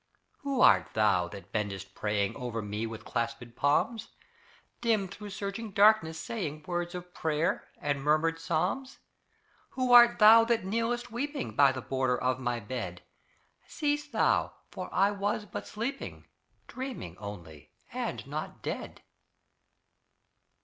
Who art thou that bendest praying Over me with clasped palms; Dim through surging darkness, saying Words of prayer and murmured psalms? Who art thou that kneelest weeping By the border of my bed? Cease thou, for I was but sleeping Dreaming, only, and not dead!